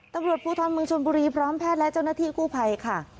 ตำรวจภูทรเมืองชนบุรีพร้อมแพทย์และเจ้าหน้าที่กู้ภัยค่ะ